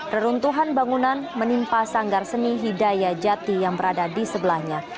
reruntuhan bangunan menimpa sanggar seni hidayah jati yang berada di sebelahnya